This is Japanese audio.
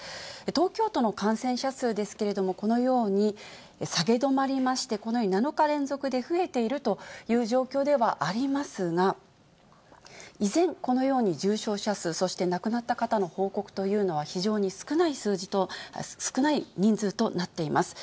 東京都の感染者数ですけれども、このように下げ止まりまして、このように７日連続で増えているという状況ではありますが、依然、このように重症者数、そして亡くなった方の報告というのは非常に少ない人数となっています。